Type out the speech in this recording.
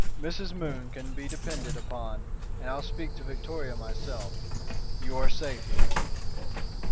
"Mrs. Moon can be depended upon and I'll speak to Victoria myself. You are safe here."